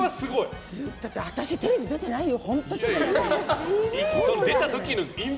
だって私テレビ出てないよ。